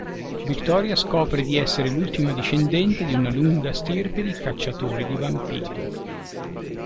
Victoria scopre di essere l'ultima discendente di una lunga stirpe di cacciatori di vampiri.